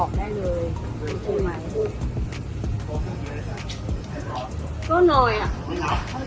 กิจทำให้เยี่ยม